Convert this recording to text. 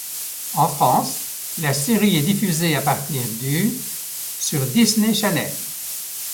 En France, la série est diffusée à partir du sur Disney Channel.